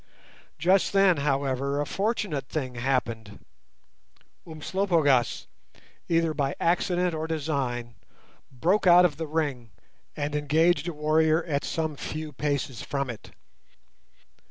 Just then, however, a fortunate thing happened. Umslopogaas, either by accident or design, broke out of the ring and engaged a warrior at some few paces from it.